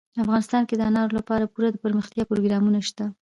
افغانستان کې د انارو لپاره پوره دپرمختیا پروګرامونه شته دي.